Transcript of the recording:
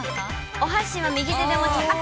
お箸は右手で持ちます。